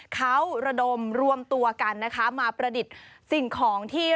เขาระดมรวมตัวกันนะคะมาประดิษฐ์สิ่งของที่